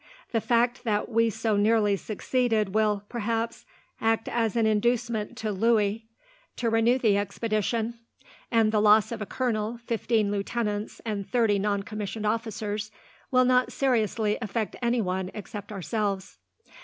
"The fact that we so nearly succeeded will, perhaps, act as an inducement to Louis to renew the expedition; and the loss of a colonel, fifteen lieutenants, and thirty noncommissioned officers will not seriously affect anyone except ourselves."